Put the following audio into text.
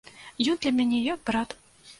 Ён для мяне як брат.